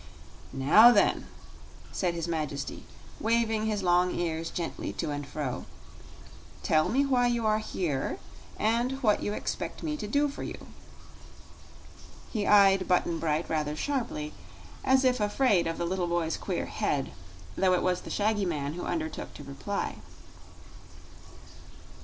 "Now then," said his Majesty, waving his long ears gently to and fro, "tell me why you are here, and what you expect me to do for you." He eyed Button Bright rather sharply, as if afraid of the little boy's queer head, though it was the shaggy man who undertook to reply.